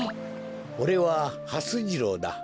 おれははす次郎だ。